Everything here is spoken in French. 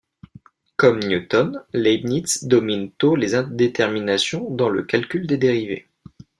Comme Newton, Leibniz domine tôt les indéterminations dans le calcul des dérivées.